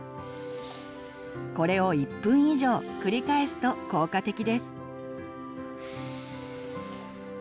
これを１分以上繰り返すと効果的です。